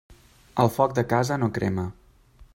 El foc de casa no crema.